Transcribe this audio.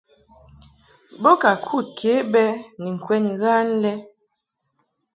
Bo ka kud ke bɛ ni ŋkwɛn ghan lɛ.